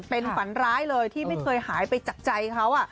เป็นฝันร้ายเลยที่ไม่เคยหายไปจากใจเขา